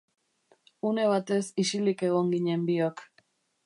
Une batez isilik egon ginen biok.